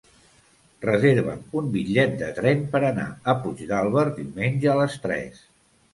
Reserva'm un bitllet de tren per anar a Puigdàlber diumenge a les tres.